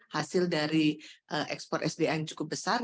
hasil dari ekspor sda yang cukup besar